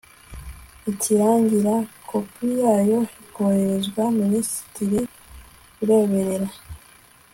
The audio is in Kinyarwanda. ikirangira kopi yayo ikohererezwa minisitiri ureberer